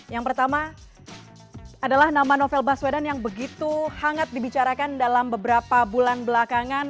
yang pertama adalah nama novel baswedan yang begitu hangat dibicarakan dalam beberapa bulan belakangan